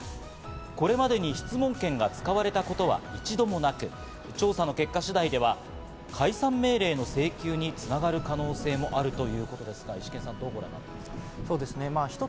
これまでに質問権が使われたことは一度もなく、調査の結果次第では解散命令の請求に繋がる可能性もあるということなんですが、石田さん、どうご覧になっていますか？